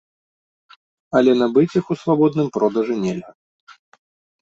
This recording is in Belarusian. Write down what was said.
Але набыць іх ў свабодным продажы нельга.